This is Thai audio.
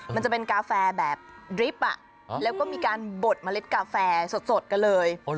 มันจะเป็นกาแฟแบบดริบแล้วก็มีการบดเมล็ดกาแฟสดกันเลย